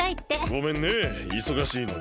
ごめんねいそがしいのに。